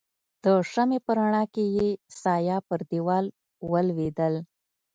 د شمعې په رڼا کې يې سایه پر دیوال ولوېدل.